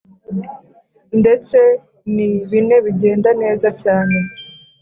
ndetse ni bine bigenda neza cyane: